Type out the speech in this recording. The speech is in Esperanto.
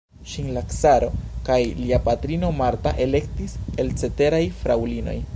Ŝin la caro kaj lia patrino Marta elektis el ceteraj fraŭlinoj.